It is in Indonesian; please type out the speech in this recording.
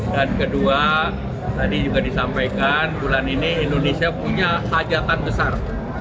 dan kedua tadi juga disampaikan bulan ini indonesia punya hajatan besar